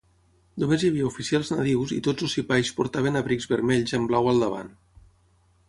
Només hi havia oficials nadius i tots els sipais portaven abrics vermells amb blau al davant.